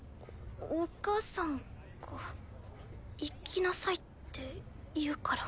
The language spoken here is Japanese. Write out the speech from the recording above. おお母さんが行きなさいって言うから。